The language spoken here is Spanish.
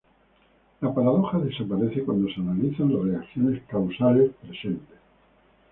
La paradoja desaparece cuando se analizan las relaciones causales presentes.